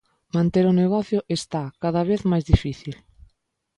Manter o negocio está cada vez máis difícil.